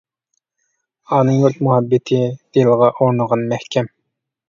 ئانا يۇرت مۇھەببىتى، دىلغا ئورنىغان مەھكەم.